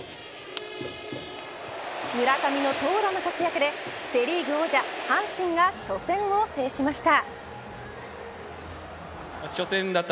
村上の投打の活躍でセ・リーグ王者阪神が、初戦を制しました。